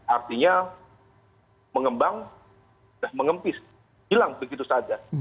artinya mengembang sudah mengempis hilang begitu saja